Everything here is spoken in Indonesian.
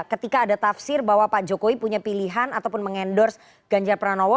ketika ada tafsir bahwa pak jokowi punya pilihan ataupun mengendorse ganjar pranowo